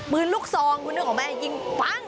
ลูกซองคุณนึกออกไหมยิงปั้ง